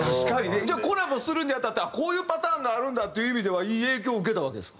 じゃあコラボするに当たってはこういうパターンがあるんだっていう意味ではいい影響を受けたわけですか？